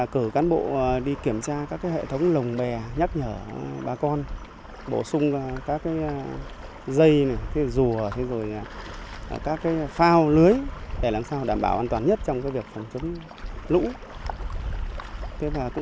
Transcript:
cử cán bộ đi kiểm tra các hệ thống lồng bè nhắc nhở bà con bổ sung các dây rùa các phao lưới để làm sao đảm bảo an toàn nhất trong việc phòng chống lũ